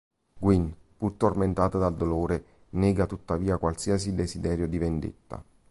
Gwen, pur tormentata dal dolore, nega tuttavia qualsiasi desiderio di vendetta.